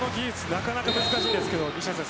なかなか難しいですけれど西田選手